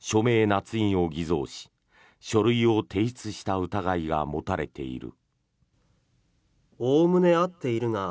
なつ印を偽造し書類を提出した疑いが持たれている。